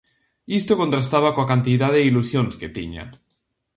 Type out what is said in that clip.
Isto contrastaba coa cantidade de ilusións que tiña.